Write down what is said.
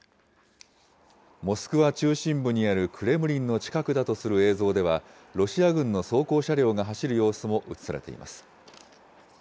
モスクワ中心部にあるクレムリンの近くだとする映像では、ロシア軍の装甲車両が走る様子もうつされています。